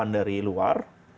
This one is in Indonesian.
delapan dari luar